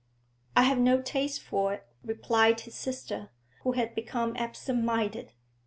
'I have no taste for it,' replied his sister, who had become absent minded.